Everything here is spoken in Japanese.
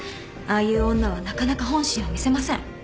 ああいう女はなかなか本心を見せません。